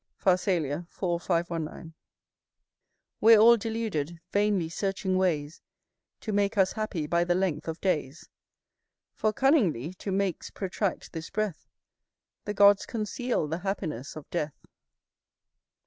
_"[M] [M] Pharsalia, iv. 519. We're all deluded, vainly searching ways To make us happy by the length of days; For cunningly, to make's protract this breath, The gods conceal the happiness of death.